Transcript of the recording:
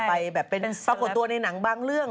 ไปแบบเป็นปรากฏตัวในหนังบางเรื่อง